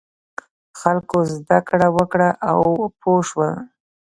خلکو زده کړه وکړه او پوه شول.